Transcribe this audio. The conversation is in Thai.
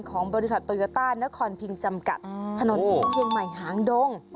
ของบริษัทโตโยต้านครพิงจำกัดถนนเชียงใหม่หางดง